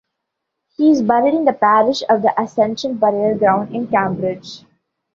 He is buried in the Parish of the Ascension Burial Ground in Cambridge.